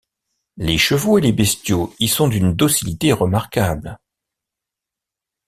Les chevaux et les bestiaux y sont d’une docilité remarquable.